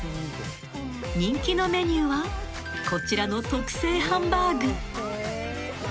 ［人気のメニューはこちらの特製ハンバーグ］